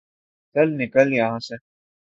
چل نکل یہا سے ـ